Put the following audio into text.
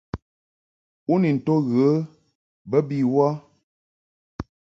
U ni nto ghə bə bi wə ?